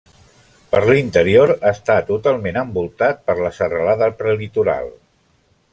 Per l'interior està totalment envoltat per la Serralada Prelitoral.